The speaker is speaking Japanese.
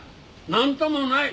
何ともない！